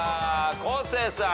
昴生さん。